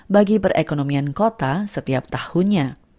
bagi perekonomian kota setiap tahunnya